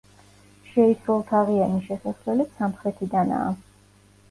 შეისრულთაღიანი შესასვლელიც სამხრეთიდანაა.